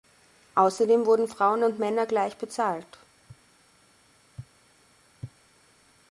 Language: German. Außerdem wurden Frauen und Männer gleich bezahlt.